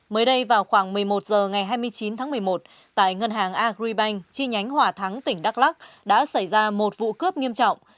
mới đây vào khoảng một mươi một h ngày hai mươi chín tháng một mươi một tại ngân hàng agribank chi nhánh hòa thắng tỉnh đắk lắc đã xảy ra một vụ cướp nghiêm trọng